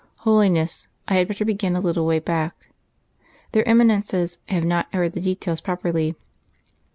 "Holiness. I had better begin a little way back. Their Eminences have not heard the details properly....